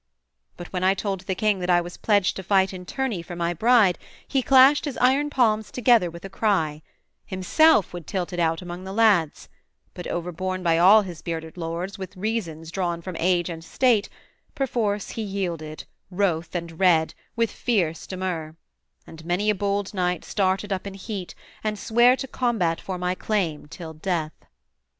But when I told the king that I was pledged To fight in tourney for my bride, he clashed His iron palms together with a cry; Himself would tilt it out among the lads: But overborne by all his bearded lords With reasons drawn from age and state, perforce He yielded, wroth and red, with fierce demur: And many a bold knight started up in heat, And sware to combat for my claim till death.